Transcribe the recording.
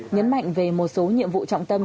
nhấn mạnh về một số nhiệm vụ trọng tâm